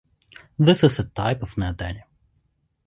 This is a type of neoteny.